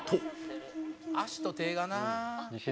「足と手がな」